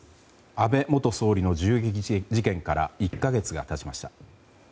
安倍元総理の銃撃事件から１か月が経ちました。